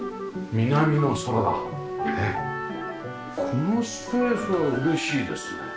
このスペースは嬉しいですね。